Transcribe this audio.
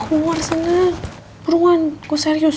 kok luar sana buruan kok serius